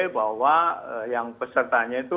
bahwa yang pesertanya itu